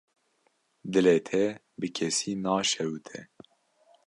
Dilê te bi kesî naşewite.